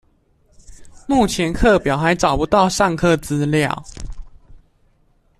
目前課表還找不到上課資料